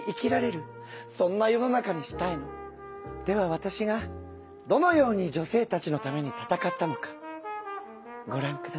わたしがどのように女性たちのためにたたかったのかごらんください。